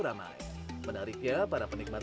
ramai menariknya para penikmat